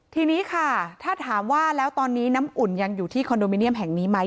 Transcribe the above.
ทีนี้ค่ะถ้าถามว่าแล้วตอนนี้น้ำอุ่นยังอยู่ที่คอนโดมิเนียมแห่งนี้ไหม